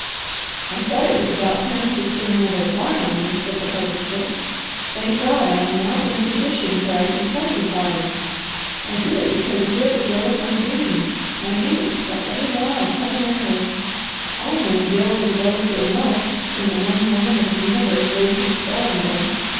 "I thought it was about time to spring another 'why' on me," said the Harvester. "Thank God, I am now in a position where I can tell you 'why'! I do it because you are the girl of my dream, my mate by every law of Heaven and earth. All men build as well as they know when the one woman of the universe lays her spell on them.